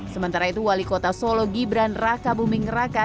sementara itu wali kota solo gibran raka buming raka